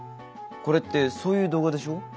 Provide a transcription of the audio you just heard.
これってそういう動画でしょ？